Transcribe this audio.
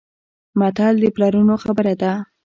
متل د پلرونو خبره ده.